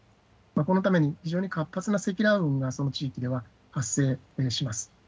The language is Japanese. このために、非常に活発な積乱雲がその地域では発生します。